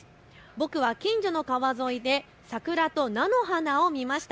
僕は近所の川沿いで桜と菜の花を見ました。